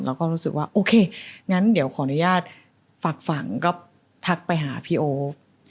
เราก็รู้สึกว่าโอเคงั้นเดี๋ยวขออนุญาตฝากฝังก็ทักไปหาพี่โอ๊ค